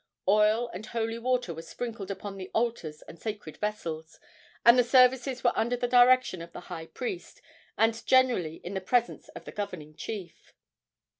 Oil and holy water were sprinkled upon the altars and sacred vessels, and the services were under the direction of the high priest, and generally in the presence of the governing chief.